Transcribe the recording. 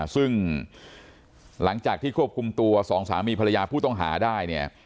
ซึ่งหลังจากที่ควบคุมตัวสองสามีภรรยาผู้ต้องหาได้เนี่ย